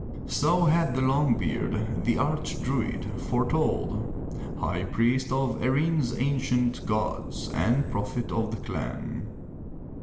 So had the long beard, the Arch Druid, fore told, high priest of Erin's ancient gods and prophet of the clan.